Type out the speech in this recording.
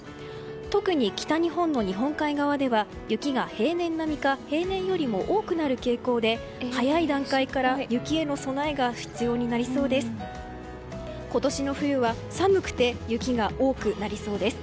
特に北日本の日本海側では雪が平年並みか平年よりも多くなる傾向で早い段階から雪への備えが必要になりそうです。